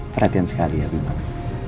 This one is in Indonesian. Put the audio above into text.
perhatian sekali abimana